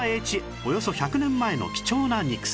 およそ１００年前の貴重な肉声